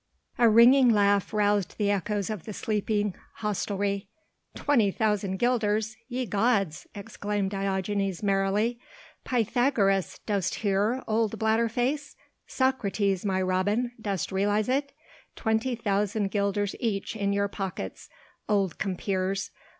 A ringing laugh roused the echoes of the sleeping hostelry. "Twenty thousand guilders! ye gods!" exclaimed Diogenes merrily. "Pythagoras, dost hear, old bladder face? Socrates, my robin, dost realize it? Twenty thousand guilders each in your pockets, old compeers.